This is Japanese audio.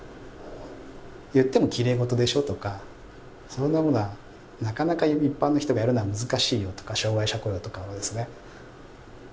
言ってもきれいごとでしょとかそんなものはなかなか一般の人がやるのは難しいよとか障害者雇用とかをですね。